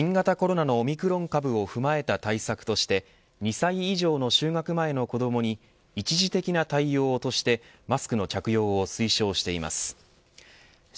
政府は現在、新型コロナのオミクロン株を踏まえた対策として２歳以上の就学前の子どもに一時的な対応としてマスクの着用を推奨しています。